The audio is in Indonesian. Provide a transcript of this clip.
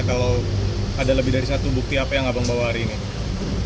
kalau ada lebih dari satu bukti apa yang abang bawa hari ini